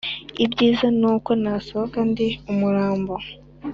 Ibyiza ni uko nasohoka ndi umurambo.